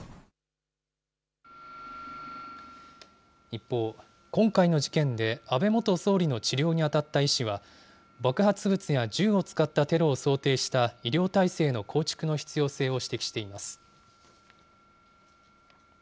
一方、今回の事件で、安倍元総理の治療に当たった医師は、爆発物や銃を使ったテロを想定した医療態勢の構築の必要性を指摘しています。